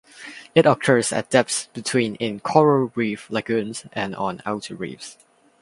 It occurs at depths between in coral reef lagoons and on outer reefs.